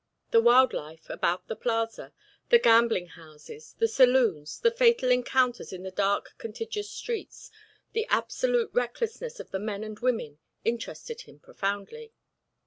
The wild life about the plaza, the gambling houses, the saloons, the fatal encounters in the dark contiguous streets, the absolute recklessness of the men and women, interested him profoundly.